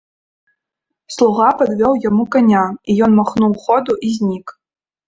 Слуга падвёў яму каня, і ён махнуў ходу і знік.